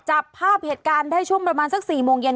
จับภาพเหตุการณ์ได้ช่วงประมาณสัก๔โมงเย็น